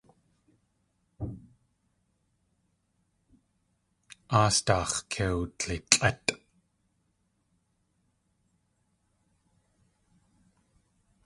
Aas daax̲ kei wdlitlʼétʼ.